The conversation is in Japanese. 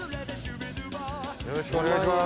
よろしくお願いします。